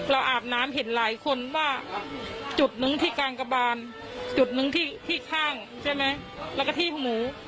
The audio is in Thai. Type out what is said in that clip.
อาบน้ำเห็นหลายคนว่าจุดนึงที่กลางกระบานจุดนึงที่ข้างใช่ไหมแล้วก็ที่หมู